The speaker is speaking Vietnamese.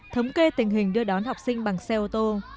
thống kê tình hình đưa đón học sinh bằng xe ô tô